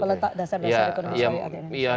peletak dasar dasar ekonomi syariat